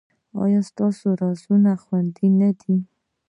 ایا ستاسو رازونه خوندي نه دي؟